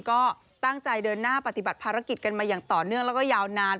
ก็ตั้งใจเดินหน้าปฏิบัติภารกิจกันมาอย่างต่อเนื่องแล้วก็ยาวนาน